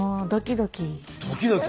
ドキドキ？